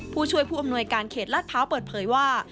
ผู้ช่วยผู้อำนวยการเขตลาดพร้าวเปิดเผยว่า